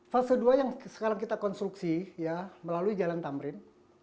fase dua yang sekarang kita konstruksi melalui jalan tamrin